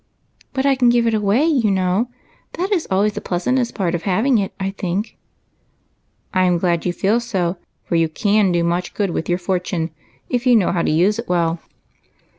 " But I can give it away, you know ; that is always the pleasantest part of having it, I think." " I 'm glad you feel so, for you can do much good with your fortune if you know how to use it well."